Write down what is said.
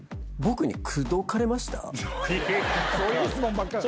そういう質問ばっかだな。